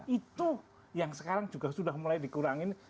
itu yang sekarang juga sudah mulai dikurangin